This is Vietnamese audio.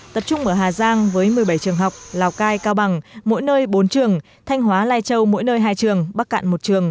tập trung ở hà giang với một mươi bảy trường học lào cai cao bằng mỗi nơi bốn trường thanh hóa lai châu mỗi nơi hai trường bắc cạn một trường